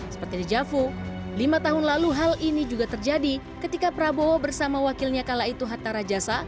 seperti di javo lima tahun lalu hal ini juga terjadi ketika prabowo bersama wakilnya kala itu hatta rajasa